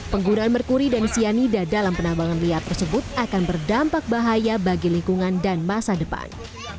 penggunaan merkuri dan cyanida dalam penambangan liar tersebut akan berdampak bahaya bagi lingkungan dan masa depan